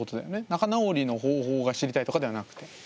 仲直りの方法が知りたいとかではなくて。